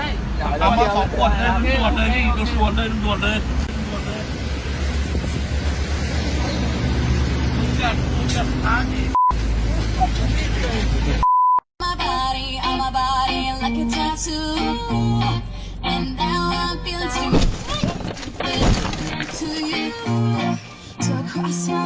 ถ่ายยังจะอยู่ที่นาย